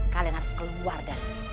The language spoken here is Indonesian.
kalian harus keluar dari sini